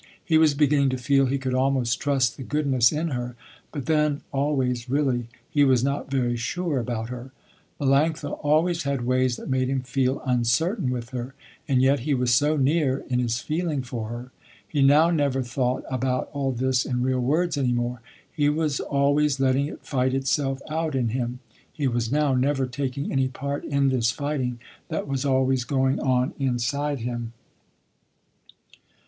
He was beginning to feel he could almost trust the goodness in her. But then, always, really, he was not very sure about her. Melanctha always had ways that made him feel uncertain with her, and yet he was so near, in his feeling for her. He now never thought about all this in real words any more. He was always letting it fight itself out in him. He was now never taking any part in this fighting that was always going on inside him.